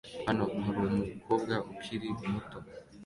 Hano harumukobwa ukiri muto